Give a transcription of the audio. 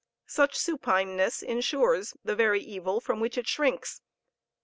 Such supineness ensures the very evil from which it shrinks.